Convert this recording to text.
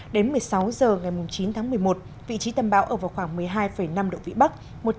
đến một mươi sáu h ngày chín tháng một mươi một vị trí tâm bão ở vào khoảng một mươi hai năm độ vĩ bắc